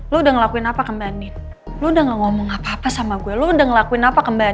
lo udah ngelakuin apa kembali lo udah ngomong apa apa sama gue lu udah ngelakuin apa kembali